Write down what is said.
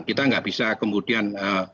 kita nggak bisa kemudian